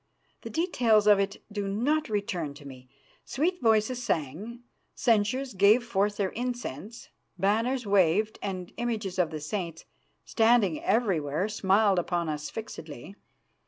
The details of it do not return to me. Sweet voices sang, censers gave forth their incense, banners waved, and images of the saints, standing everywhere, smiled upon us fixedly.